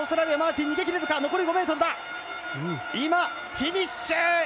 フィニッシュ！